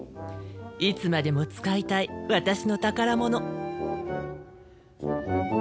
いつまでも使いたい私の宝物。